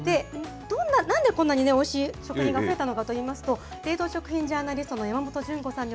なんでこんなにおいしい食品が増えたのかといいますと、冷凍食品ジャーナリストの山本純子さんに